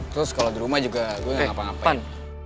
terus kalau di rumah juga gue gak ngapa ngapain